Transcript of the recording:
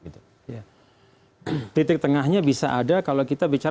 titik tengahnya bisa ada kalau kita bicara